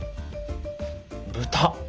豚！